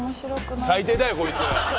最低だよこいつ。